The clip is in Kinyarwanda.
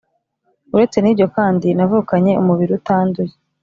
uretse n’ibyo kandi, navukanye umubiri utanduye.